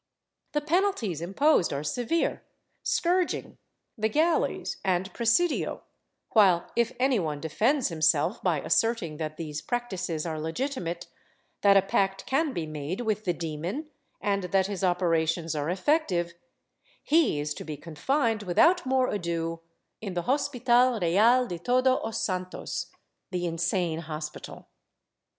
The penalties imposed are severe — scourging, the galleys and presidio, while if any one defends himself by asserting that these practices are legitimate, that a pact can be made with the demon, and that his operations are effective, he is to be con fined, without more ado, in the Hospital Real de Todo os Santos — the insane hospital.